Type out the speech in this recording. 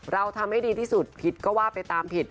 เราทำให้ดีที่สุดผิดก็ว่าไปตามผิด